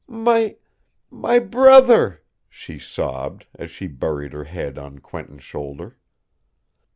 "My my brother!" she sobbed, as she buried her head on Quentin's shoulder.